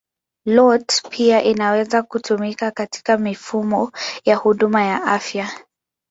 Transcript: IoT pia inaweza kutumika katika mifumo ya huduma ya afya.